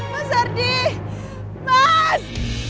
mas ardi mas